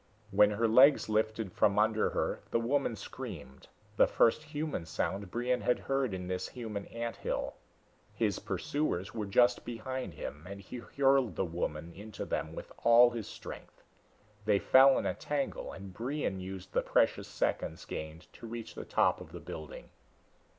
When her legs lifted from under her the woman screamed the first human sound Brion had heard in this human anthill. His pursuers were just behind him, and he hurled the woman into them with all his strength. They fell in a tangle, and Brion used the precious seconds gained to reach the top of the building.